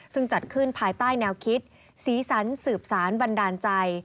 ซึ่งจัดขึ้นภายใต้แนวคิดสีสันสืบสารบันดาลใจ